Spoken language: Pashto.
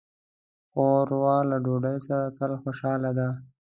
ښوروا له ډوډۍ سره تل خوشاله ده.